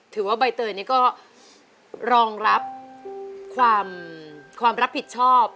ใบเตยนี่ก็รองรับความรับผิดชอบ